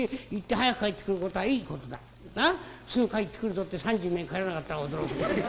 すぐ帰ってくるぞって３０年帰らなかったら驚くんだ。